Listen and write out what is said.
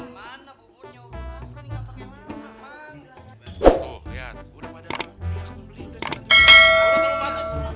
mana bubunya udah ngambek gak pake mana